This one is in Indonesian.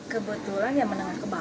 kebetulan yang menengah ke bawah